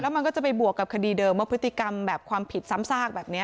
มันก็จะไปบวกกับคดีเดิมว่าพฤติกรรมแบบความผิดซ้ำซากแบบนี้